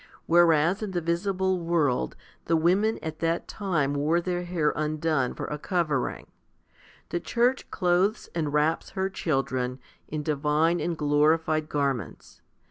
Whereas in the visible world the women at that time wore their hair undone for a covering, the church clothes and wraps her children in divine and glorified gar ments.